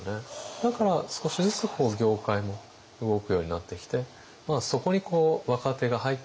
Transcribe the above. だから少しずつ業界も動くようになってきてそこに若手が入ってくると。